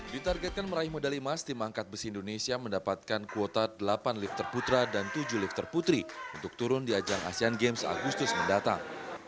ditargetkan meraih medali emas tim angkat besi indonesia mendapatkan kuota delapan lifter putra dan tujuh lifter putri untuk turun di ajang asean games agustus mendatang